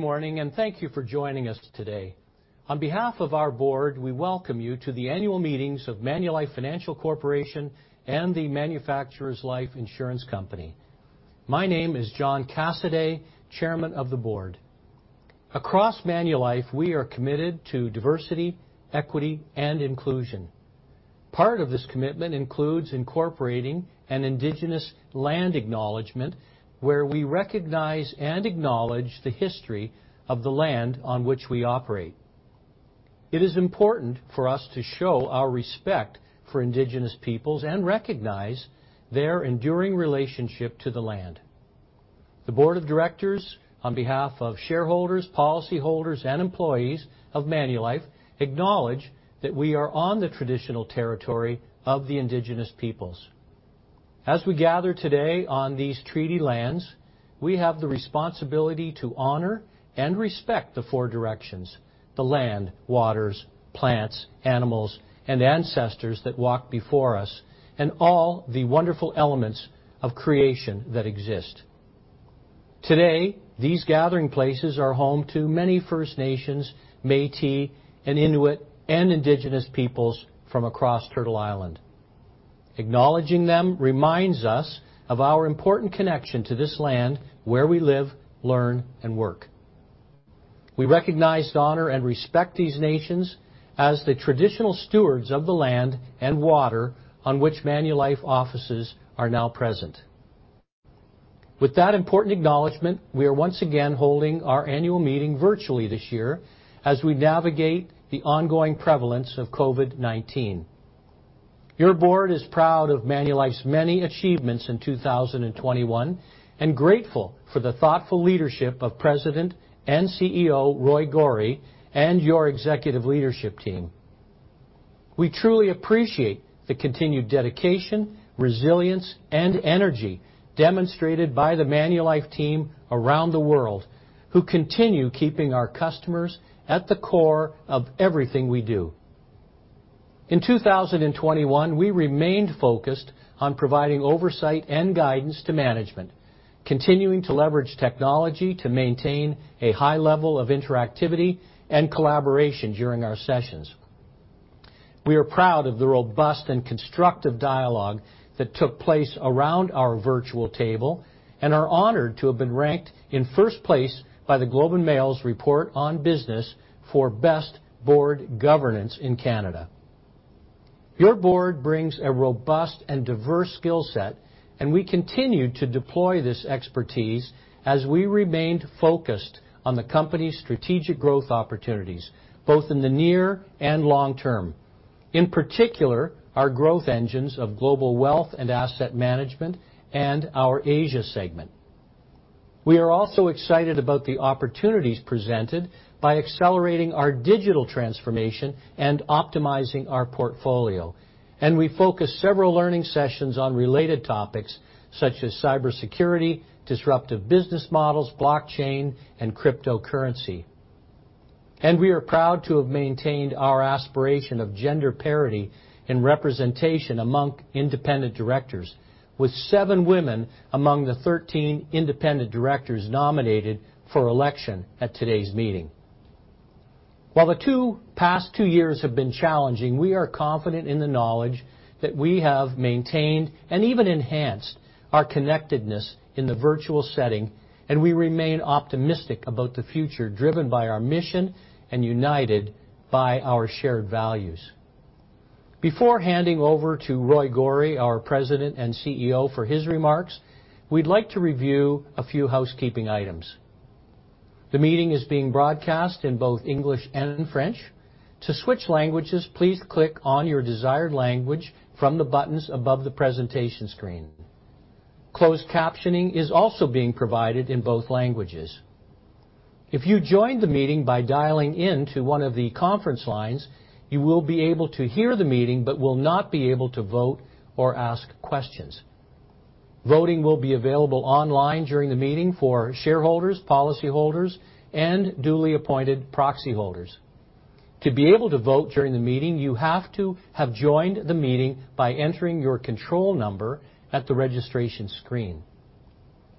Good morning, and thank you for joining us today. On behalf of our Board, we welcome you to the annual meetings of Manulife Financial Corporation and The Manufacturers Life Insurance Company. My name is John Cassaday, Chairman of the Board. Across Manulife, we are committed to diversity, equity, and inclusion. Part of this commitment includes incorporating an Indigenous land acknowledgment, where we recognize and acknowledge the history of the land on which we operate. It is important for us to show our respect for Indigenous peoples and recognize their enduring relationship to the land. The Board of Directors, on behalf of shareholders, policyholders, and employees of Manulife, acknowledge that we are on the traditional territory of the Indigenous peoples. As we gather today on these treaty lands, we have the responsibility to honor and respect the four directions: the land, waters, plants, animals, and ancestors that walk before us, and all the wonderful elements of creation that exist. Today, these gathering places are home to many First Nations, Métis, Inuit, and Indigenous peoples from across Turtle Island. Acknowledging them reminds us of our important connection to this land where we live, learn, and work. We recognize, honor, and respect these nations as the traditional stewards of the land and water on which Manulife offices are now present. With that important acknowledgment, we are once again holding our annual meeting virtually this year as we navigate the ongoing prevalence of COVID-19. Your Board is proud of Manulife's many achievements in 2021 and grateful for the thoughtful leadership of President and CEO Roy Gori and your Executive Leadership Team. We truly appreciate the continued dedication, resilience, and energy demonstrated by the Manulife team around the world, who continue keeping our customers at the core of everything we do. In 2021, we remained focused on providing oversight and guidance to management, continuing to leverage technology to maintain a high level of interactivity and collaboration during our sessions. We are proud of the robust and constructive dialogue that took place around our virtual table and are honored to have been ranked in first place by the Globe and Mail's Report on Business for best Board governance in Canada. Your Board brings a robust and diverse skill set, and we continue to deploy this expertise as we remained focused on the company's strategic growth opportunities, both in the near and long term, in particular our growth engines of Global Wealth and Asset Management and our Asia segment. We are also excited about the opportunities presented by accelerating our digital transformation and optimizing our portfolio, and we focused several learning sessions on related topics such as cybersecurity, disruptive business models, blockchain, and cryptocurrency. We are proud to have maintained our aspiration of gender parity in representation among independent Directors, with seven women among the 13 independent Directors nominated for election at today's meeting. While the past two years have been challenging, we are confident in the knowledge that we have maintained and even enhanced our connectedness in the virtual setting, and we remain optimistic about the future driven by our mission and united by our shared values. Before handing over to Roy Gori, our President and CEO, for his remarks, we'd like to review a few housekeeping items. The meeting is being broadcast in both English and French. To switch languages, please click on your desired language from the buttons above the presentation screen. Closed captioning is also being provided in both languages. If you joined the meeting by dialing into one of the conference lines, you will be able to hear the meeting but will not be able to vote or ask questions. Voting will be available online during the meeting for shareholders, policyholders, and duly appointed proxy holders. To be able to vote during the meeting, you have to have joined the meeting by entering your control number at the registration screen.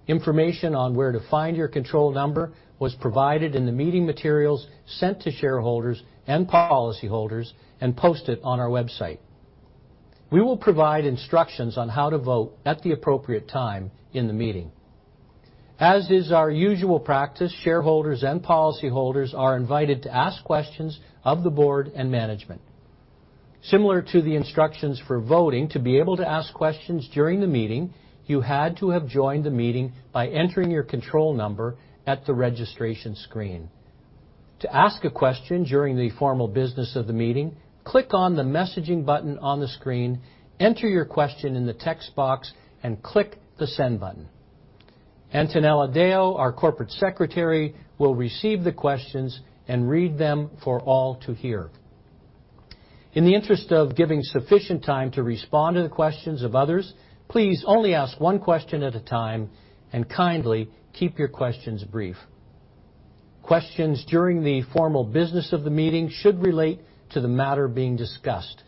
Information on where to find your control number was provided in the meeting materials sent to shareholders and policyholders and posted on our website. We will provide instructions on how to vote at the appropriate time in the meeting. As is our usual practice, shareholders and policyholders are invited to ask questions of the Board and management. Similar to the instructions for voting, to be able to ask questions during the meeting, you had to have joined the meeting by entering your control number at the registration screen. To ask a question during the formal business of the meeting, click on the messaging button on the screen, enter your question in the text box, and click the send button. Antonella Deo, our Corporate Secretary, will receive the questions and read them for all to hear. In the interest of giving sufficient time to respond to the questions of others, please only ask one question at a time and kindly keep your questions brief. Questions during the formal business of the meeting should relate to the matter being discussed.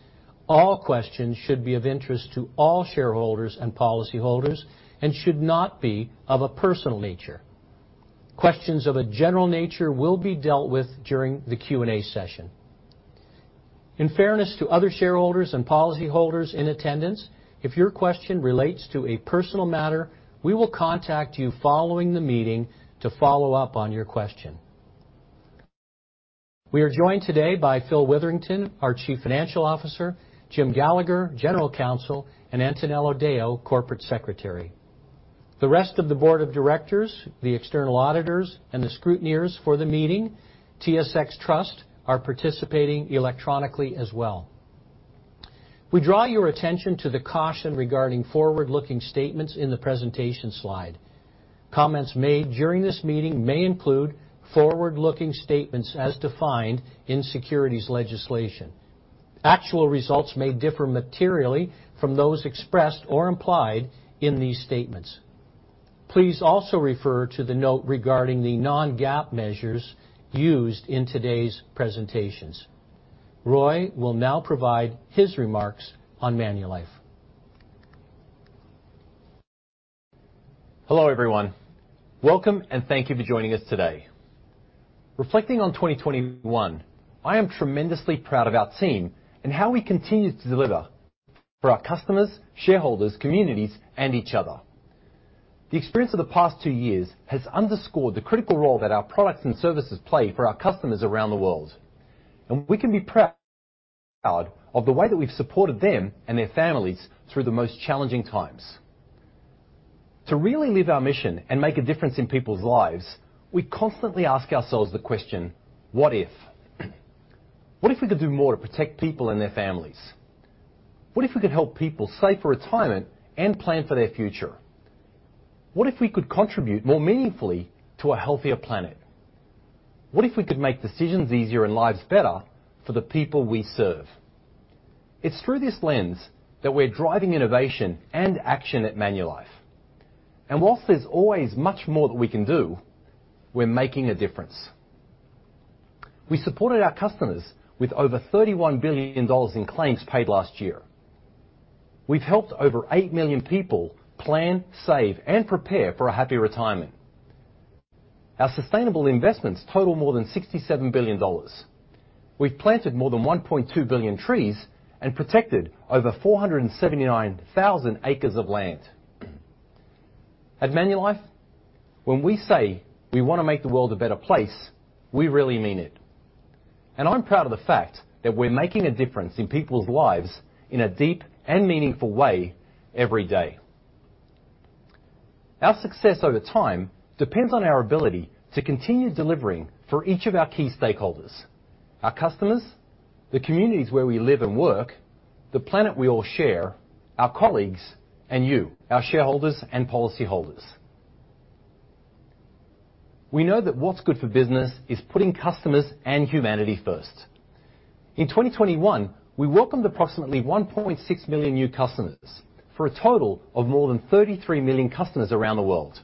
All questions should be of interest to all shareholders and policyholders and should not be of a personal nature. Questions of a general nature will be dealt with during the Q&A session. In fairness to other shareholders and policyholders in attendance, if your question relates to a personal matter, we will contact you following the meeting to follow up on your question. We are joined today by Phil Witherington, our Chief Financial Officer; Jim Gallagher, General Counsel; and Antonella Deo, Corporate Secretary. The rest of the Board of Directors, the external auditors, and the scrutineers for the meeting, TSX Trust, are participating electronically as well. We draw your attention to the caution regarding forward-looking statements in the presentation slide. Comments made during this meeting may include forward-looking statements as defined in securities legislation. Actual results may differ materially from those expressed or implied in these statements. Please also refer to the note regarding the non-GAAP measures used in today's presentations. Roy will now provide his remarks on Manulife. Hello, everyone. Welcome, and thank you for joining us today. Reflecting on 2021, I am tremendously proud of our team and how we continue to deliver for our customers, shareholders, communities, and each other. The experience of the past two years has underscored the critical role that our products and services play for our customers around the world, and we can be proud of the way that we've supported them and their families through the most challenging times. To really live our mission and make a difference in people's lives, we constantly ask ourselves the question, "What if?" What if we could do more to protect people and their families? What if we could help people save for retirement and plan for their future? What if we could contribute more meaningfully to a healthier planet? What if we could make decisions easier and lives better for the people we serve? is through this lens that we are driving innovation and action at Manulife. Whilst there is always much more that we can do, we are making a difference. We supported our customers with over $31 billion in claims paid last year. We have helped over 8 million people plan, save, and prepare for a happy retirement. Our sustainable investments total more than $67 billion. We have planted more than 1.2 billion trees and protected over 479,000 acres of land. At Manulife, when we say we want to make the world a better place, we really mean it. I am proud of the fact that we are making a difference in people's lives in a deep and meaningful way every day. Our success over time depends on our ability to continue delivering for each of our key stakeholders: our customers, the communities where we live and work, the planet we all share, our colleagues, and you, our shareholders and policyholders. We know that what's good for business is putting customers and humanity first. In 2021, we welcomed approximately 1.6 million new customers for a total of more than 33 million customers around the world.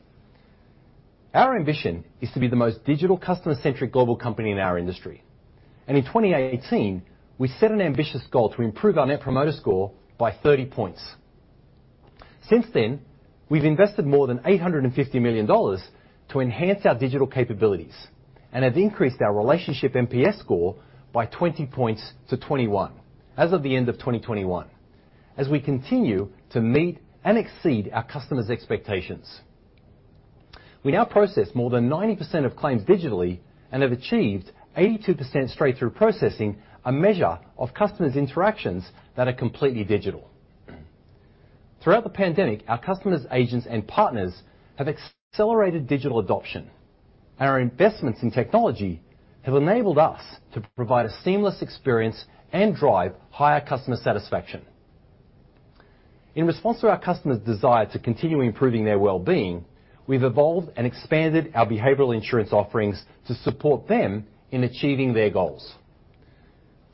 Our ambition is to be the most digital customer-centric global company in our industry. In 2018, we set an ambitious goal to improve our Net Promoter Score by 30 points. Since then, we've invested more than $850 million to enhance our digital capabilities and have increased our relationship Net Promoter Score by 20 points to 21 as of the end of 2021, as we continue to meet and exceed our customers' expectations. We now process more than 90% of claims digitally and have achieved 82% straight-through processing, a measure of customers' interactions that are completely digital. Throughout the pandemic, our customers, agents, and partners have accelerated digital adoption, and our investments in technology have enabled us to provide a seamless experience and drive higher customer satisfaction. In response to our customers' desire to continue improving their well-being, we've evolved and expanded our behavioral insurance offerings to support them in achieving their goals.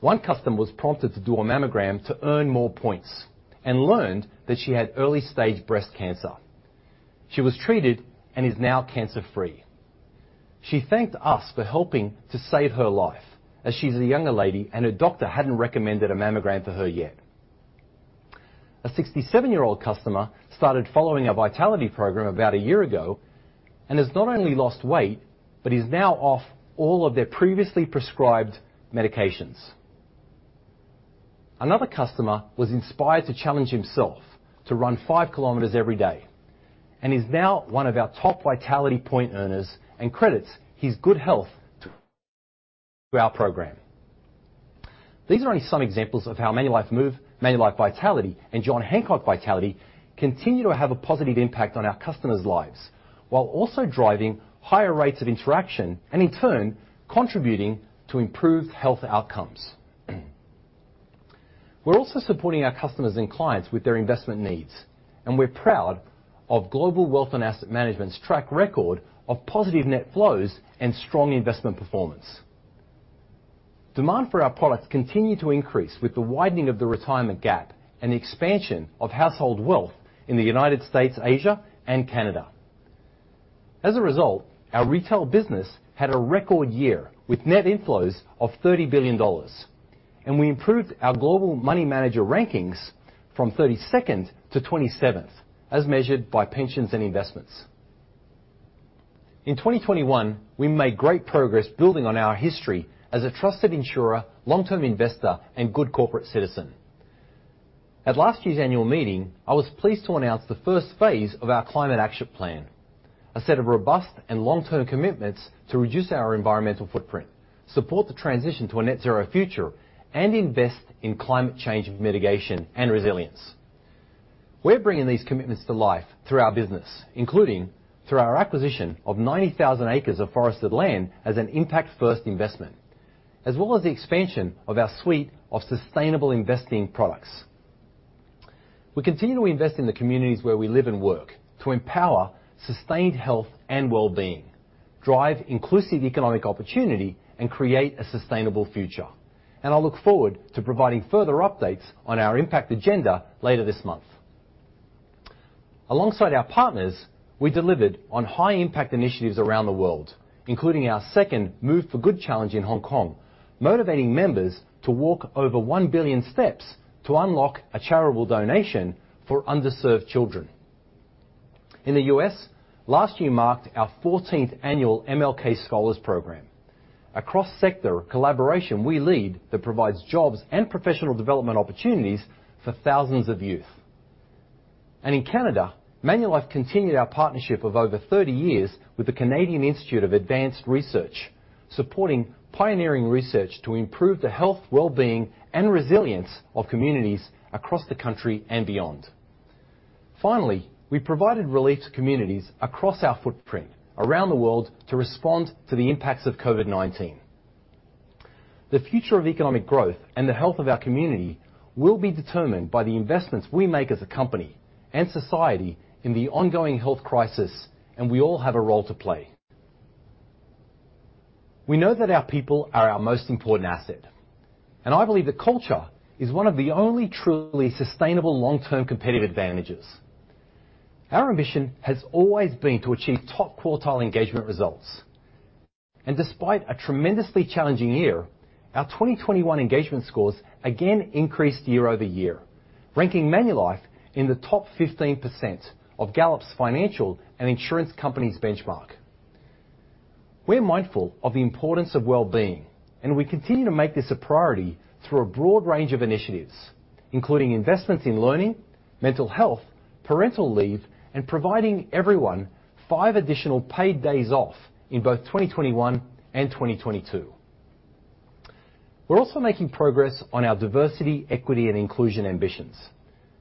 One customer was prompted to do a mammogram to earn more points and learned that she had early-stage breast cancer. She was treated and is now cancer-free. She thanked us for helping to save her life as she's a younger lady and her doctor hadn't recommended a mammogram for her yet. A 67-year-old customer started following a Vitality program about a year ago and has not only lost weight but is now off all of their previously prescribed medications. Another customer was inspired to challenge himself to run 5 kilometers every day and is now one of our top Vitality point earners and credits his good health to our program. These are only some examples of how ManulifeMOVE, Manulife Vitality, and John Hancock Vitality continue to have a positive impact on our customers' lives while also driving higher rates of interaction and, in turn, contributing to improved health outcomes. We are also supporting our customers and clients with their investment needs, and we are proud of Global Wealth and Asset Management's track record of positive net flows and strong investment performance. Demand for our products continued to increase with the widening of the retirement gap and the expansion of household wealth in the United States, Asia, and Canada. As a result, our retail business had a record year with net inflows of $30 billion, and we improved our global money manager rankings from 32nd to 27th as measured by Pensions & Investments. In 2021, we made great progress building on our history as a trusted insurer, long-term investor, and good corporate citizen. At last year's annual meeting, I was pleased to announce the first phase of our Climate Action Plan, a set of robust and long-term commitments to reduce our environmental footprint, support the transition to a net-zero future, and invest in climate change mitigation and resilience. We're bringing these commitments to life through our business, including through our acquisition of 90,000 acres of forested land as an impact-first investment, as well as the expansion of our suite of sustainable investing products. We continue to invest in the communities where we live and work to empower sustained health and well-being, drive inclusive economic opportunity, and create a sustainable future. I look forward to providing further updates on our Impact Agenda later this month. Alongside our partners, we delivered on high-impact initiatives around the world, including our second MOVE for Good challenge in Hong Kong, motivating members to walk over 1 billion steps to unlock a charitable donation for underserved children. In the U.S., last year marked our 14th annual MLK Scholars Program. Across-sector collaboration, we lead that provides jobs and professional development opportunities for thousands of youth. In Canada, Manulife continued our partnership of over 30 years with the Canadian Institute for Advanced Research, supporting pioneering research to improve the health, well-being, and resilience of communities across the country and beyond. Finally, we provided relief to communities across our footprint around the world to respond to the impacts of COVID-19. The future of economic growth and the health of our community will be determined by the investments we make as a company and society in the ongoing health crisis, and we all have a role to play. We know that our people are our most important asset, and I believe that culture is one of the only truly sustainable long-term competitive advantages. Our ambition has always been to achieve top quartile engagement results. Despite a tremendously challenging year, our 2021 engagement scores again increased year over year, ranking Manulife in the top 15% of Gallup's financial and insurance companies benchmark. We are mindful of the importance of well-being, and we continue to make this a priority through a broad range of initiatives, including investments in learning, mental health, parental leave, and providing everyone five additional paid days off in both 2021 and 2022. We are also making progress on our diversity, equity, and inclusion ambitions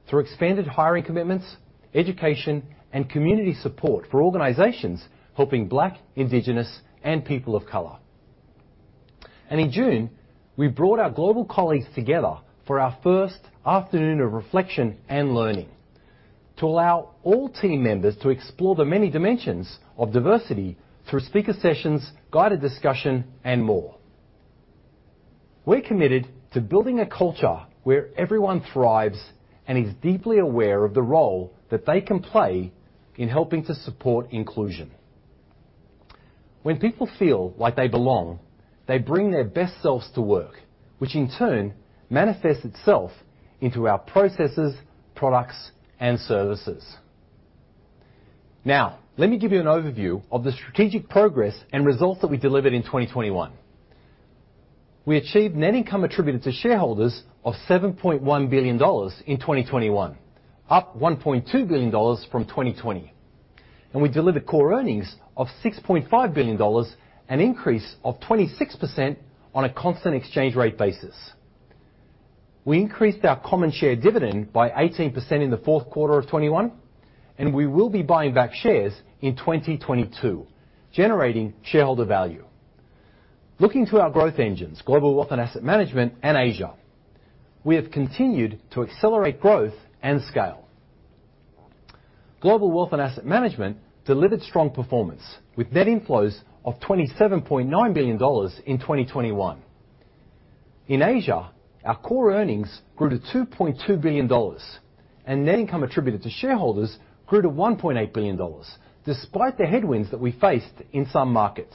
through expanded hiring commitments, education, and community support for organizations helping Black, Indigenous, and people of color. In June, we brought our global colleagues together for our first afternoon of reflection and learning to allow all team members to explore the many dimensions of diversity through speaker sessions, guided discussion, and more. We're committed to building a culture where everyone thrives and is deeply aware of the role that they can play in helping to support inclusion. When people feel like they belong, they bring their best selves to work, which in turn manifests itself into our processes, products, and services. Now, let me give you an overview of the strategic progress and results that we delivered in 2021. We achieved net income attributed to shareholders of $7.1 billion in 2021, up $1.2 billion from 2020. We delivered core earnings of $6.5 billion, an increase of 26% on a constant exchange rate basis. We increased our common share dividend by 18% in the fourth quarter of 2021, and we will be buying back shares in 2022, generating shareholder value. Looking to our growth engines, Global Wealth and Asset Management and Asia, we have continued to accelerate growth and scale. Global Wealth and Asset Management delivered strong performance with net inflows of $27.9 billion in 2021. In Asia, our core earnings grew to $2.2 billion, and net income attributed to shareholders grew to $1.8 billion, despite the headwinds that we faced in some markets.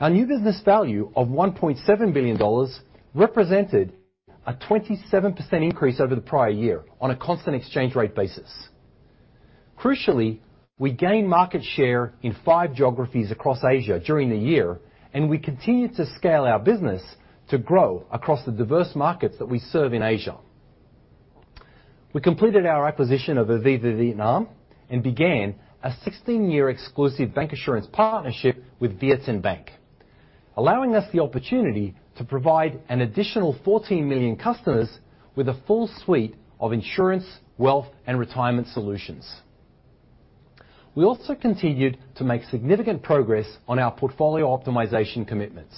Our new business value of $1.7 billion represented a 27% increase over the prior year on a constant exchange rate basis. Crucially, we gained market share in five geographies across Asia during the year, and we continue to scale our business to grow across the diverse markets that we serve in Asia. We completed our acquisition of Aviva Vietnam and began a 16-year exclusive bancassurance partnership with VietinBank, allowing us the opportunity to provide an additional 14 million customers with a full suite of insurance, wealth, and retirement solutions. We also continued to make significant progress on our portfolio optimization commitments,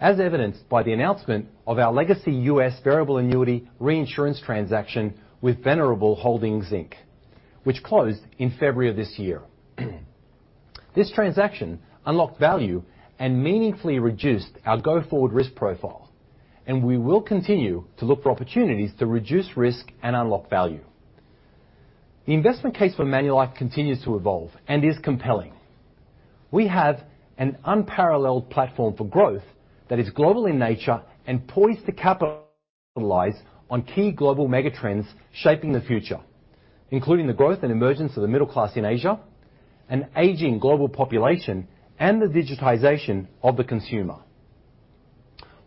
as evidenced by the announcement of our legacy U.S. variable annuity reinsurance transaction with Venerable Holdings Inc., which closed in February of this year. This transaction unlocked value and meaningfully reduced our go-forward risk profile, and we will continue to look for opportunities to reduce risk and unlock value. The investment case for Manulife continues to evolve and is compelling. We have an unparalleled platform for growth that is global in nature and poised to capitalize on key global megatrends shaping the future, including the growth and emergence of the middle class in Asia, an aging global population, and the digitization of the consumer.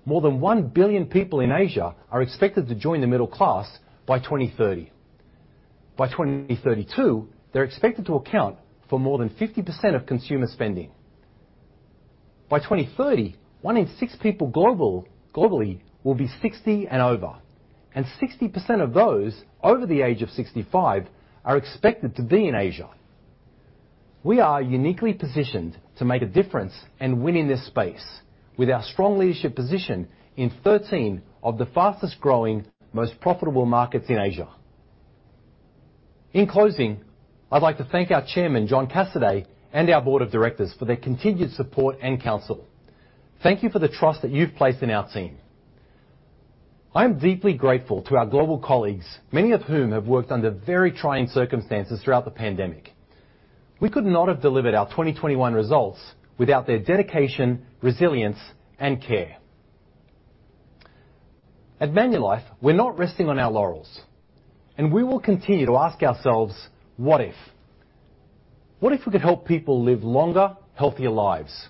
More than 1 billion people in Asia are expected to join the middle class by 2030. By 2032, they're expected to account for more than 50% of consumer spending. By 2030, 1 in 6 people globally will be 60 and over, and 60% of those over the age of 65 are expected to be in Asia. We are uniquely positioned to make a difference and win in this space with our strong leadership position in 13 of the fastest-growing, most profitable markets in Asia. In closing, I'd like to thank our Chairman, John Cassaday, and our Board of Directors for their continued support and counsel. Thank you for the trust that you've placed in our team. I am deeply grateful to our global colleagues, many of whom have worked under very trying circumstances throughout the pandemic. We could not have delivered our 2021 results without their dedication, resilience, and care. At Manulife, we're not resting on our laurels, and we will continue to ask ourselves, "What if?" What if we could help people live longer, healthier lives?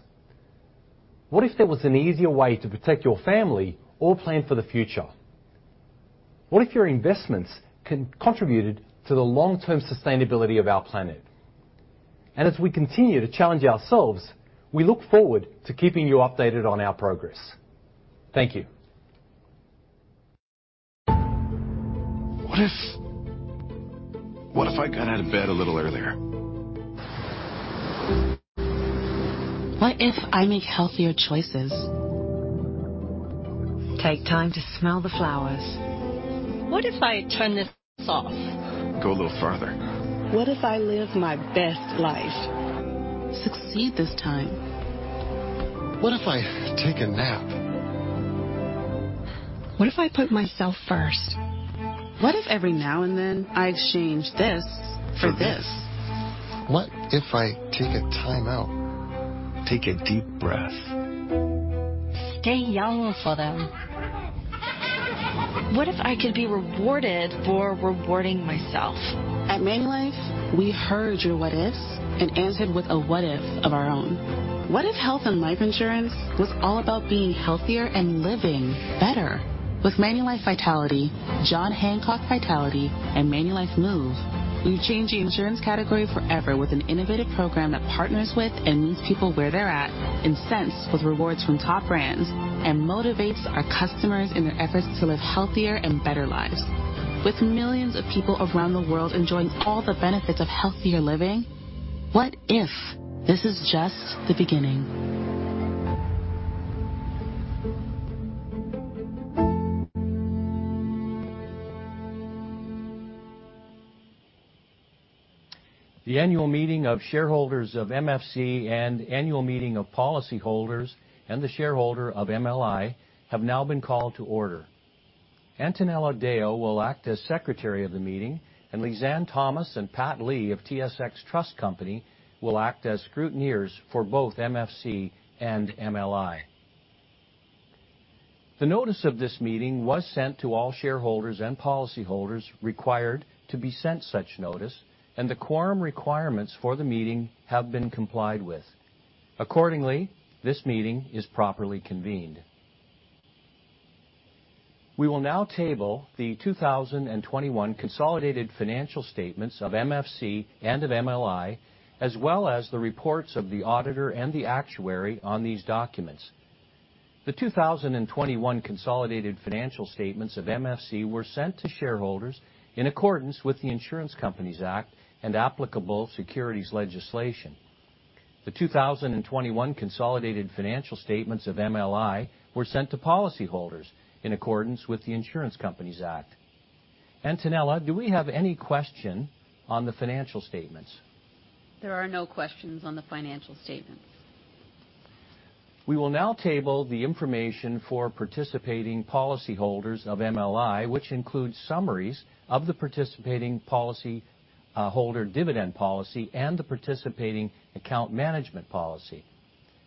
What if there was an easier way to protect your family or plan for the future? What if your investments contributed to the long-term sustainability of our planet? As we continue to challenge ourselves, we look forward to keeping you updated on our progress. Thank you. What if? What if I got out of bed a little earlier? What if I make healthier choices? Take time to smell the flowers. What if I turn this off? Go a little farther. What if I live my best life? Succeed this time. What if I take a nap? What if I put myself first? What if every now and then I exchange this for this? What if I take a timeout? Take a deep breath. Stay young for them. What if I could be rewarded for rewarding myself? At Manulife, we heard your what ifs and answered with a what if of our own. What if health and life insurance was all about being healthier and living better? With Manulife Vitality, John Hancock Vitality, and Manulife Move, we've changed the insurance category forever with an innovative program that partners with and meets people where they're at, incents with rewards from top brands, and motivates our customers in their efforts to live healthier and better lives. With millions of people around the world enjoying all the benefits of healthier living, what if this is just the beginning? The annual meeting of shareholders of MFC and annual meeting of policyholders and the shareholder of MLI have now been called to order. Antonella Deo will act as secretary of the meeting, and Lisanne Thomas and Pat Lee of TSX Trust Company will act as scrutineers for both MFC and MLI. The notice of this meeting was sent to all shareholders and policyholders required to be sent such notice, and the quorum requirements for the meeting have been complied with. Accordingly, this meeting is properly convened. We will now table the 2021 consolidated financial statements of MFC and of MLI, as well as the reports of the auditor and the actuary on these documents. The 2021 consolidated financial statements of MFC were sent to shareholders in accordance with the Insurance Companies Act and applicable securities legislation. The 2021 consolidated financial statements of MLI were sent to policyholders in accordance with the Insurance Companies Act. Antonella, do we have any question on the financial statements? There are no questions on the financial statements. We will now table the information for participating policyholders of MLI, which includes summaries of the participating policyholder dividend policy and the participating account management policy.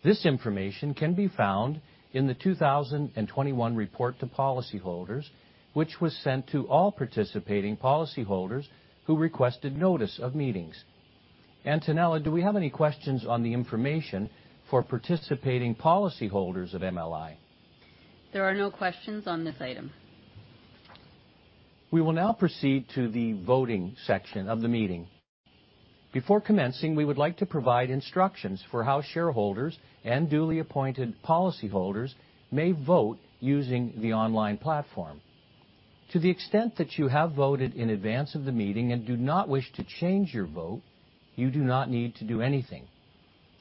This information can be found in the 2021 report to policyholders, which was sent to all participating policyholders who requested notice of meetings. Antonella, do we have any questions on the information for participating policyholders of MLI? There are no questions on this item. We will now proceed to the voting section of the meeting. Before commencing, we would like to provide instructions for how shareholders and duly appointed policyholders may vote using the online platform. To the extent that you have voted in advance of the meeting and do not wish to change your vote, you do not need to do anything.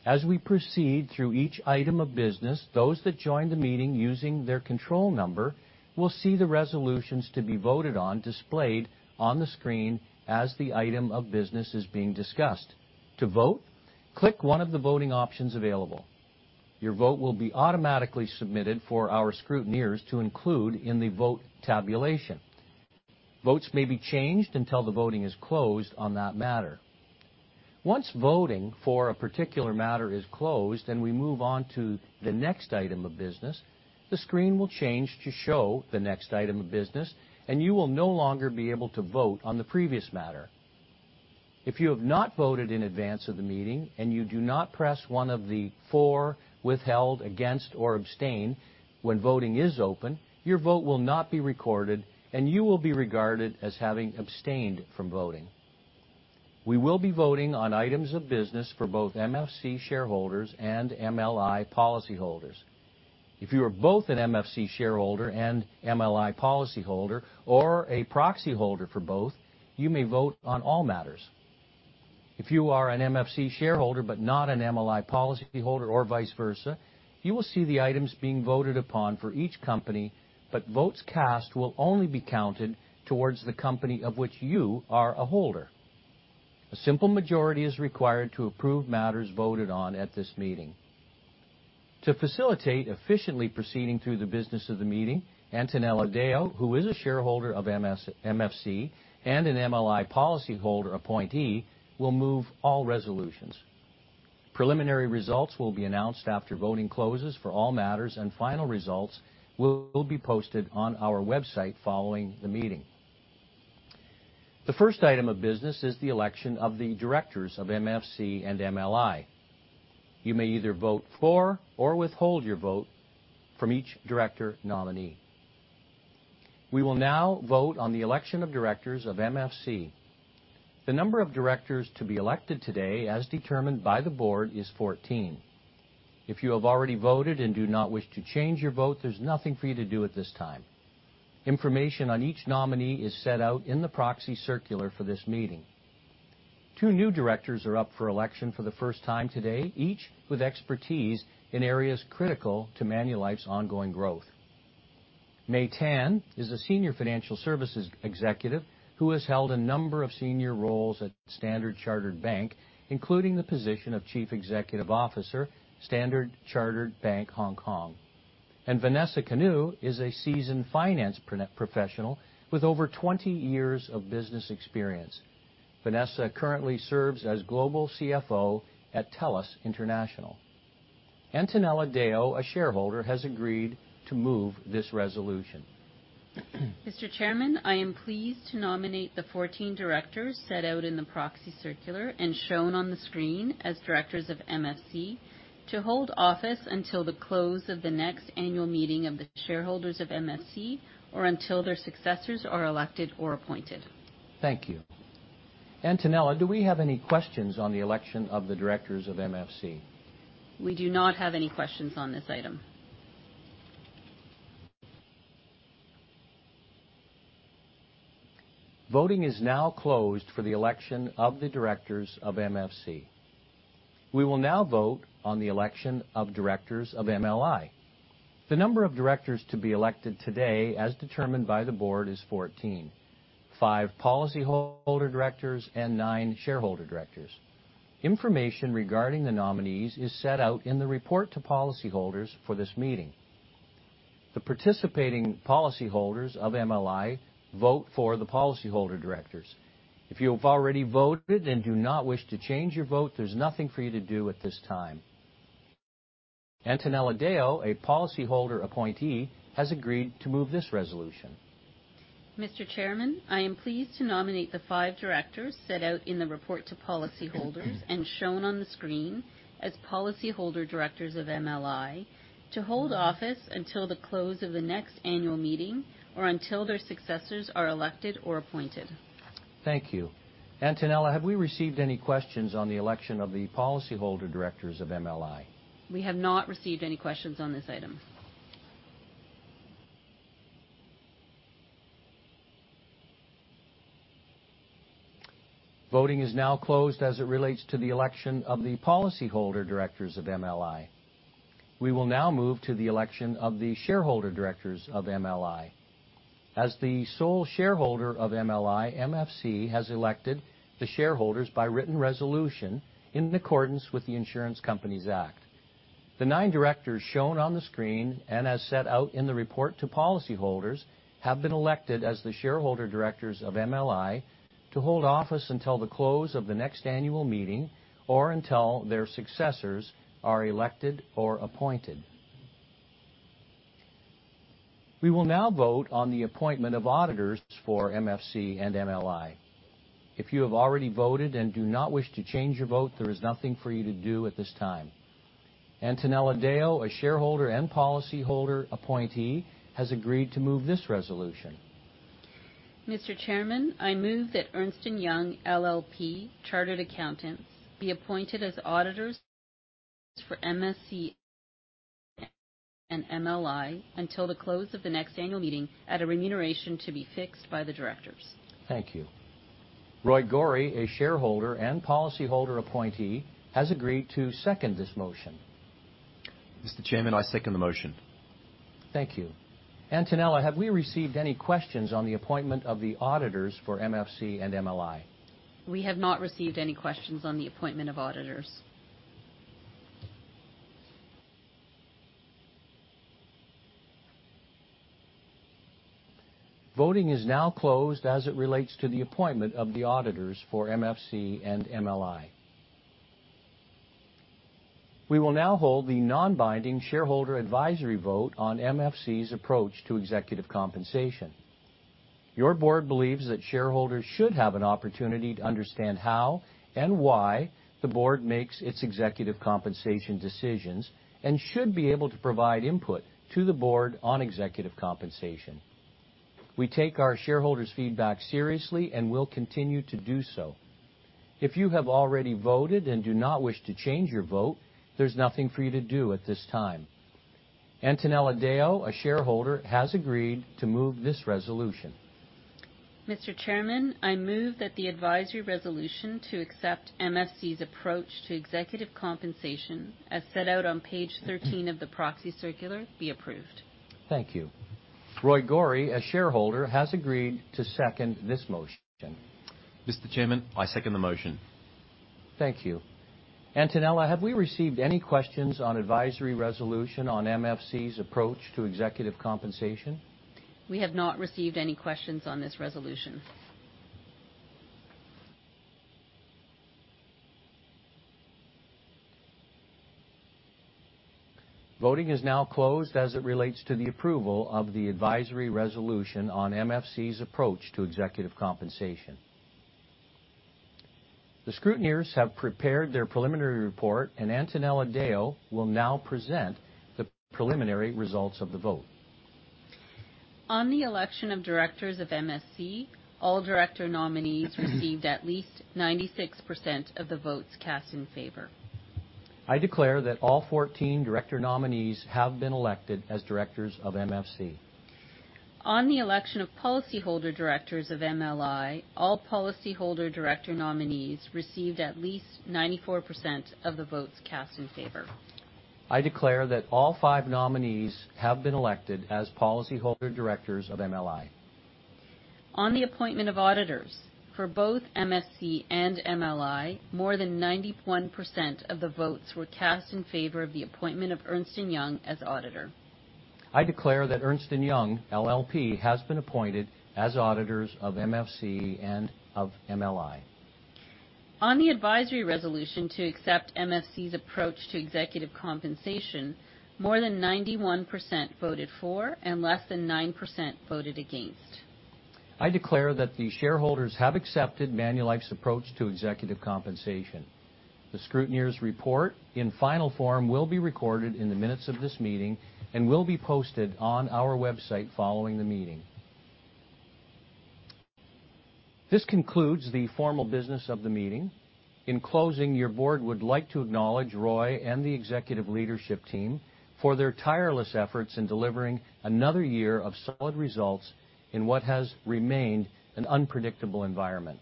As we proceed through each item of business, those that joined the meeting using their control number will see the resolutions to be voted on displayed on the screen as the item of business is being discussed. To vote, click one of the voting options available. Your vote will be automatically submitted for our scrutineers to include in the vote tabulation. Votes may be changed until the voting is closed on that matter. Once voting for a particular matter is closed and we move on to the next item of business, the screen will change to show the next item of business, and you will no longer be able to vote on the previous matter. If you have not voted in advance of the meeting and you do not press one of the for, withheld, against, or abstain when voting is open, your vote will not be recorded, and you will be regarded as having abstained from voting. We will be voting on items of business for both MFC shareholders and MLI policyholders. If you are both an MFC shareholder and MLI policyholder or a proxy holder for both, you may vote on all matters. If you are an MFC shareholder but not an MLI policyholder or vice versa, you will see the items being voted upon for each company, but votes cast will only be counted towards the company of which you are a holder. A simple majority is required to approve matters voted on at this meeting. To facilitate efficiently proceeding through the business of the meeting, Antonella Deo, who is a shareholder of MFC and an MLI policyholder appointee, will move all resolutions. Preliminary results will be announced after voting closes for all matters, and final results will be posted on our website following the meeting. The first item of business is the election of the Directors of MFC and MLI. You may either vote for or withhold your vote from each Director nominee. We will now vote on the election of Directors of MFC. The number of Directors to be elected today, as determined by the Board, is 14. If you have already voted and do not wish to change your vote, there's nothing for you to do at this time. Information on each nominee is set out in the proxy circular for this meeting. Two new Directors are up for election for the first time today, each with expertise in areas critical to Manulife's ongoing growth. May Tan is a senior financial services executive who has held a number of senior roles at Standard Chartered Bank, including the position of Chief Executive Officer, Standard Chartered Bank, Hong Kong. Vanessa Kanu is a seasoned finance professional with over 20 years of business experience. Vanessa currently serves as global CFO at TELUS International. Antonella Deo, a shareholder, has agreed to move this resolution. Mr. Chairman, I am pleased to nominate the 14 Directors set out in the proxy circular and shown on the screen as Directors of MFC to hold office until the close of the next annual meeting of the shareholders of MFC or until their successors are elected or appointed. Thank you. Antonella, do we have any questions on the election of the Directors of MFC? We do not have any questions on this item. Voting is now closed for the election of the Directors of MFC. We will now vote on the election of Directors of MLI. The number of Directors to be elected today, as determined by the Board, is 14: 5 policyholder Directors and 9 shareholder Directors. Information regarding the nominees is set out in the report to policyholders for this meeting. The participating policyholders of MLI vote for the policyholder Directors. If you have already voted and do not wish to change your vote, there's nothing for you to do at this time. Antonella Deo, a policyholder appointee, has agreed to move this resolution. Mr. Chairman, I am pleased to nominate the five Directors set out in the report to policyholders and shown on the screen as policyholder Directors of MLI to hold office until the close of the next annual meeting or until their successors are elected or appointed. Thank you. Antonella, have we received any questions on the election of the policyholder Directors of MLI? We have not received any questions on this item. Voting is now closed as it relates to the election of the policyholder Directors of MLI. We will now move to the election of the shareholder Directors of MLI. As the sole shareholder of MLI, MFC has elected the shareholders by written resolution in accordance with the Insurance Companies Act. The nine Directors shown on the screen and as set out in the report to policyholders have been elected as the shareholder Directors of MLI to hold office until the close of the next annual meeting or until their successors are elected or appointed. We will now vote on the appointment of auditors for MFC and MLI. If you have already voted and do not wish to change your vote, there is nothing for you to do at this time. Antonella Deo, a shareholder and policyholder appointee, has agreed to move this resolution. Mr. Chairman, I move that Ernst & Young LLP, Chartered Accountants, be appointed as auditors for MFC and MLI until the close of the next annual meeting at a remuneration to be fixed by the Directors. Thank you. Roy Gori, a shareholder and policyholder appointee, has agreed to second this motion. Mr. Chairman, I second the motion. Thank you. Antonella, have we received any questions on the appointment of the auditors for MFC and MLI? We have not received any questions on the appointment of auditors. Voting is now closed as it relates to the appointment of the auditors for MFC and MLI. We will now hold the non-binding shareholder advisory vote on MFC's approach to executive compensation. Your Board believes that shareholders should have an opportunity to understand how and why the Board makes its executive compensation decisions and should be able to provide input to the Board on executive compensation. We take our shareholders' feedback seriously and will continue to do so. If you have already voted and do not wish to change your vote, there's nothing for you to do at this time. Antonella Deo, a shareholder, has agreed to move this resolution. Mr. Chairman, I move that the advisory resolution to accept MFC's approach to executive compensation, as set out on page 13 of the proxy circular, be approved. Thank you. Roy Gori, a shareholder, has agreed to second this motion. Mr. Chairman, I second the motion. Thank you. Antonella, have we received any questions on advisory resolution on MFC's approach to executive compensation? We have not received any questions on this resolution. Voting is now closed as it relates to the approval of the advisory resolution on MFC's approach to executive compensation. The scrutineers have prepared their preliminary report, and Antonella Deo will now present the preliminary results of the vote. On the election of Directors of MFC, all Director nominees received at least 96% of the votes cast in favor. I declare that all 14 Director nominees have been elected as Directors of MFC. On the election of policyholder Directors of MLI, all policyholder Director nominees received at least 94% of the votes cast in favor. I declare that all five nominees have been elected as policyholder Directors of MLI. On the appointment of auditors for both MFC and MLI, more than 91% of the votes were cast in favor of the appointment of Ernst & Young LLP as auditor. I declare that Ernst & Young LLP has been appointed as auditors of MFC and of MLI. On the advisory resolution to accept MFC's approach to executive compensation, more than 91% voted for and less than 9% voted against. I declare that the shareholders have accepted Manulife's approach to executive compensation. The scrutineers' report in final form will be recorded in the minutes of this meeting and will be posted on our website following the meeting. This concludes the formal business of the meeting. In closing, your Board would like to acknowledge Roy and the executive leadership team for their tireless efforts in delivering another year of solid results in what has remained an unpredictable environment.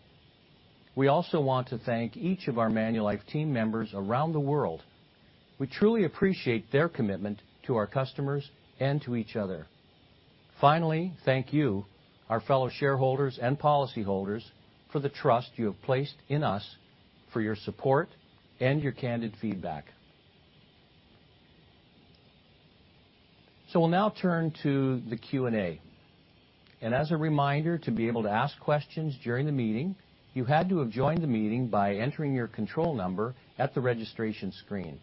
We also want to thank each of our Manulife team members around the world. We truly appreciate their commitment to our customers and to each other. Finally, thank you, our fellow shareholders and policyholders, for the trust you have placed in us, for your support and your candid feedback. We will now turn to the Q&A. As a reminder, to be able to ask questions during the meeting, you had to have joined the meeting by entering your control number at the registration screen.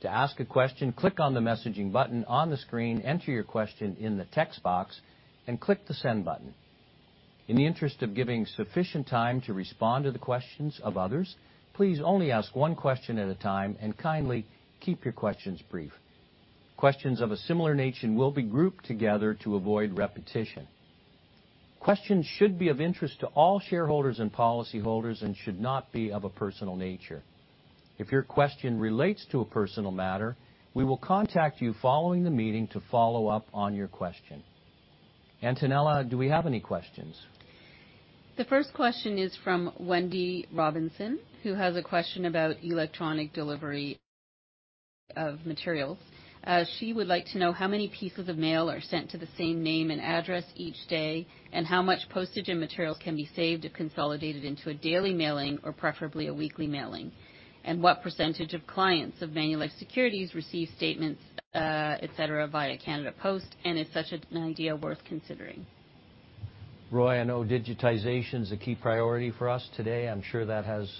To ask a question, click on the messaging button on the screen, enter your question in the text box, and click the send button. In the interest of giving sufficient time to respond to the questions of others, please only ask one question at a time and kindly keep your questions brief. Questions of a similar nature will be grouped together to avoid repetition. Questions should be of interest to all shareholders and policyholders and should not be of a personal nature. If your question relates to a personal matter, we will contact you following the meeting to follow up on your question. Antonella, do we have any questions? The first question is from Wendy Robinson, who has a question about electronic delivery of materials. She would like to know how many pieces of mail are sent to the same name and address each day and how much postage and materials can be saved if consolidated into a daily mailing or preferably a weekly mailing, and what percentage of clients of Manulife Securities receive statements, etc., via Canada Post, and is such an idea worth considering. Roy, I know digitization is a key priority for us today. I'm sure that has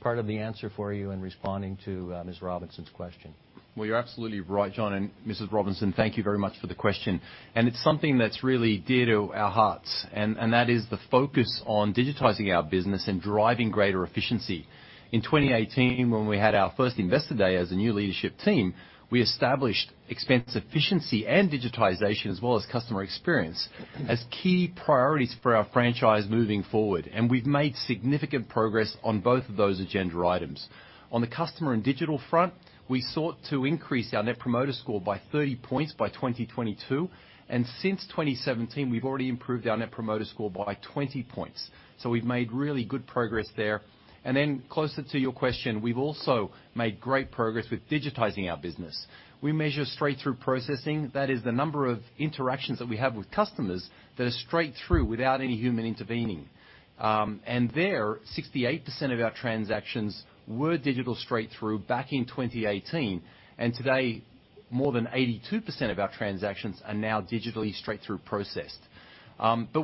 part of the answer for you in responding to Ms. Robinson's question. You're absolutely right, John, and Mrs. Robinson, thank you very much for the question. It's something that's really dear to our hearts, and that is the focus on digitizing our business and driving greater efficiency. In 2018, when we had our first Investor Day as a new leadership team, we established expense efficiency and digitization, as well as customer experience, as key priorities for our franchise moving forward, and we have made significant progress on both of those agenda items. On the customer and digital front, we sought to increase our Net Promoter Score by 30 points by 2022, and since 2017, we have already improved our Net Promoter Score by 20 points. We have made really good progress there. Closer to your question, we have also made great progress with digitizing our business. We measure straight-through processing, that is, the number of interactions that we have with customers that are straight-through without any human intervening. There, 68% of our transactions were digital straight-through back in 2018, and today, more than 82% of our transactions are now digitally straight-through processed.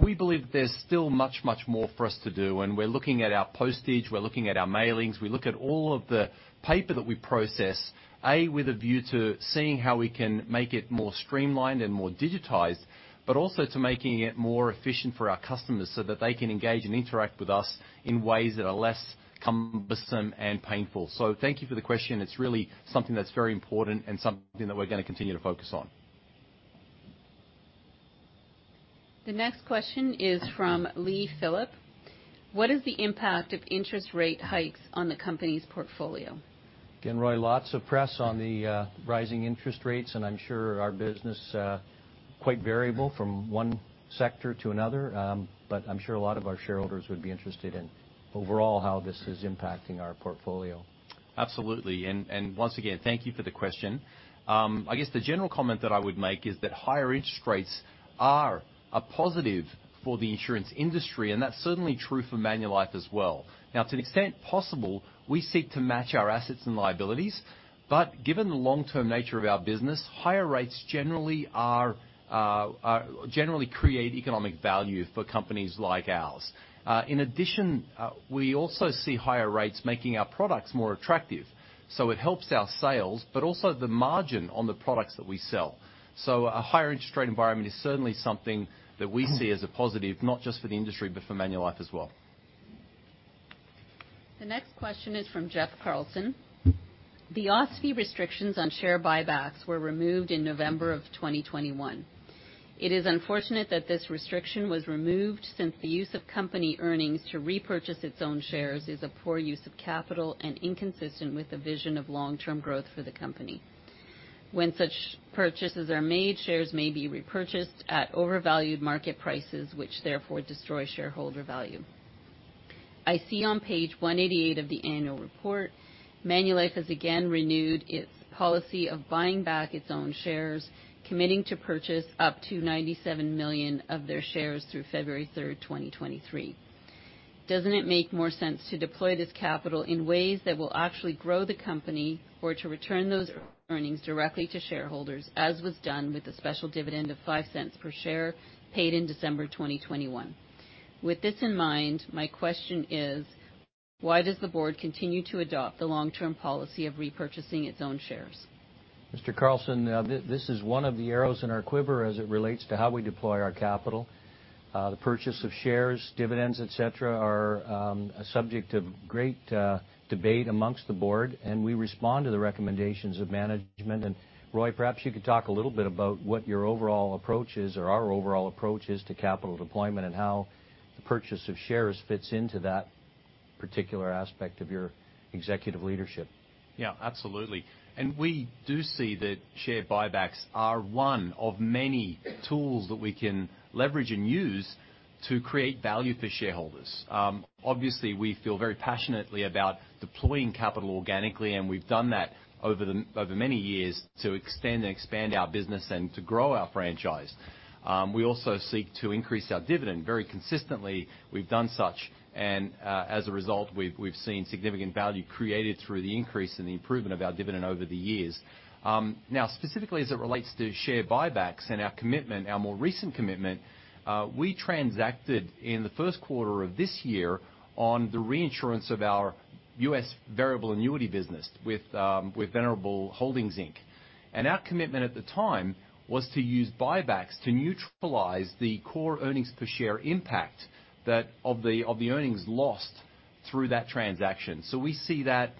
We believe there's still much, much more for us to do, and we're looking at our postage, we're looking at our mailings, we look at all of the paper that we process, A, with a view to seeing how we can make it more streamlined and more digitized, but also to making it more efficient for our customers so that they can engage and interact with us in ways that are less cumbersome and painful. Thank you for the question. It's really something that's very important and something that we're going to continue to focus on. The next question is from Lee Phillip. What is the impact of interest rate hikes on the company's portfolio? Again, Roy, lots of press on the rising interest rates, and I'm sure our business is quite variable from one sector to another, but I'm sure a lot of our shareholders would be interested in overall how this is impacting our portfolio. Absolutely. Once again, thank you for the question. I guess the general comment that I would make is that higher interest rates are a positive for the insurance industry, and that's certainly true for Manulife as well. Now, to the extent possible, we seek to match our assets and liabilities, but given the long-term nature of our business, higher rates generally create economic value for companies like ours. In addition, we also see higher rates making our products more attractive. It helps our sales, but also the margin on the products that we sell. A higher interest rate environment is certainly something that we see as a positive, not just for the industry, but for Manulife as well. The next question is from Jeff Carlson. The OSFI restrictions on share buybacks were removed in November of 2021. It is unfortunate that this restriction was removed since the use of company earnings to repurchase its own shares is a poor use of capital and inconsistent with the vision of long-term growth for the company. When such purchases are made, shares may be repurchased at overvalued market prices, which therefore destroy shareholder value. I see on page 188 of the annual report, Manulife has again renewed its policy of buying back its own shares, committing to purchase up to 97 million of their shares through February 3, 2023. Doesn't it make more sense to deploy this capital in ways that will actually grow the company or to return those earnings directly to shareholders, as was done with the special dividend of $0.05 per share paid in December 2021? With this in mind, my question is, why does the Board continue to adopt the long-term policy of repurchasing its own shares? Mr. Carlson, this is one of the arrows in our quiver as it relates to how we deploy our capital. The purchase of shares, dividends, etc., are a subject of great debate amongst the Board, and we respond to the recommendations of management. Roy, perhaps you could talk a little bit about what your overall approach is, or our overall approach is, to capital deployment and how the purchase of shares fits into that particular aspect of your executive leadership. Yeah, absolutely. We do see that share buybacks are one of many tools that we can leverage and use to create value for shareholders. Obviously, we feel very passionately about deploying capital organically, and we have done that over many years to extend and expand our business and to grow our franchise. We also seek to increase our dividend very consistently. We have done such, and as a result, we have seen significant value created through the increase in the improvement of our dividend over the years. Now, specifically as it relates to share buybacks and our commitment, our more recent commitment, we transacted in the first quarter of this year on the reinsurance of our U.S. variable annuity business with Venerable Holdings Inc. Our commitment at the time was to use buybacks to neutralize the core earnings per share impact of the earnings lost through that transaction. We see that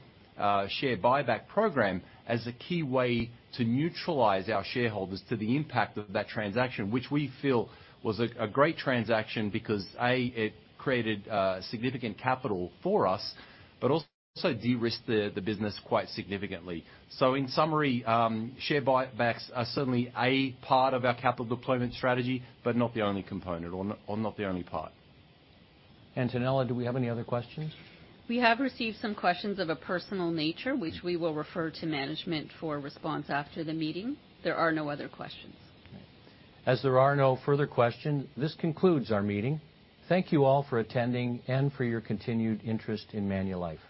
share buyback program as a key way to neutralize our shareholders to the impact of that transaction, which we feel was a great transaction because, A, it created significant capital for us, but also de-risked the business quite significantly. In summary, share buybacks are certainly a part of our capital deployment strategy, but not the only component or not the only part. Antonella, do we have any other questions? We have received some questions of a personal nature, which we will refer to management for a response after the meeting. There are no other questions. As there are no further questions, this concludes our meeting. Thank you all for attending and for your continued interest in Manulife.